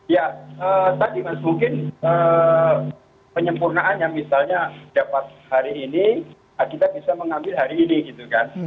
ya tadi mas mungkin penyempurnaan yang misalnya dapat hari ini kita bisa mengambil hari ini gitu kan